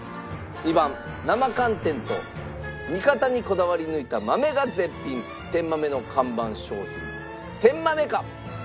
２番生寒天と煮方にこだわり抜いた豆が絶品天まめの看板商品てんまめか？